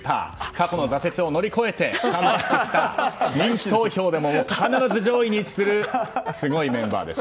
過去の挫折を乗り越え人気投票でも必ず上位にくるすごいメンバーです。